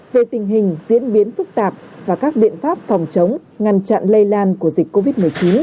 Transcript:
về tình hình diễn biến phức tạp và các biện pháp phòng chống ngăn chặn lây lan của dịch covid một mươi chín